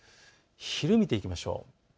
昼を見ていきましょう。